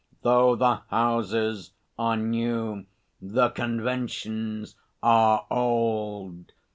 "Though the houses are new, the conventions are old."